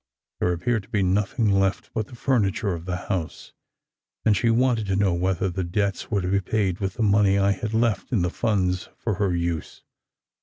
There appeared to be nothing left but the furniture of the house; and she wanted to know whether the debts were to be paid with the money I had left in the funds for her use.